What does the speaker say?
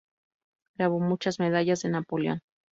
Grabó muchas medallas de Napoleón.